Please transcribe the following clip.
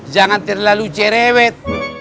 jangan terlalu cerewet